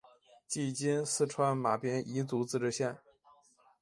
即今四川马边彝族自治县。